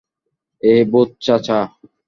এই ভূত চাচা।